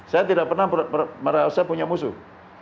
saya tidak pernah merasa punya musuh